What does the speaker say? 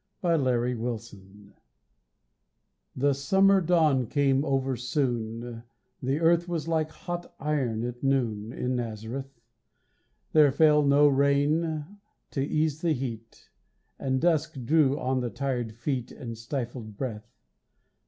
THE CARPENTER'S SON THE summer dawn came over soon, The earth was like hot iron at noon In Nazareth; There fell no rain to ease the heat, And dusk drew on with tired feet And stifled breath.